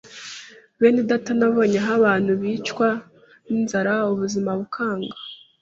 Benedata nabonye aho abantu bicwa n’inzara ubuzima bukanga,